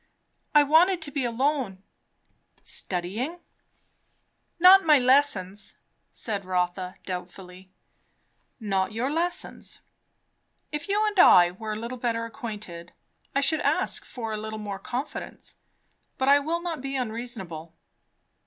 "I wanted to be alone." "Studying?" "Not my lessons," said Rotha doubtfully. "Not your lessons? If you and I were a little better acquainted, I should ask for a little more confidence. But I will not be unreasonable."